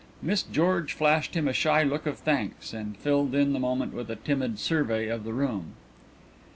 Miss George flashed him a shy look of thanks and filled in the moment with a timid survey of the room.